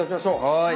はい。